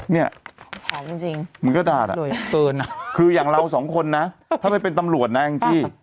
นี่มีกระดาษโดยปืนคืออย่างเราสองคนนะถ้าเป็นตำรวจนะอังกฤษ